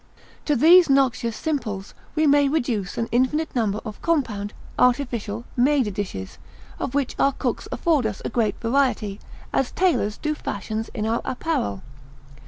To these noxious simples, we may reduce an infinite number of compound, artificial, made dishes, of which our cooks afford us a great variety, as tailors do fashions in our apparel.